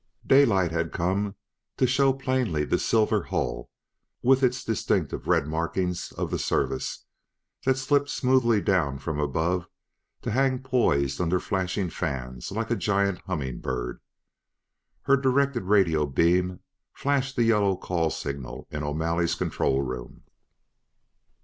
Daylight had come to show plainly the silver hull with the distinctive red markings of the Service that slipped smoothly down from above to hang poised under flashing fans like a giant humming bird. Her directed radio beam flashed the yellow call signal in O'Malley's control room.